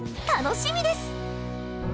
楽しみです！